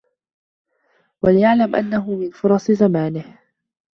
وَلْيَعْلَمْ أَنَّهُ مِنْ فُرَصِ زَمَانِهِ